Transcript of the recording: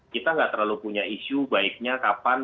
kita nggak terlalu punya isu baiknya kapan